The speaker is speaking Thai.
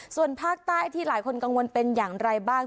ส่วนภาคใต้ที่หลายคนกังวลเป็นอย่างไรบ้าง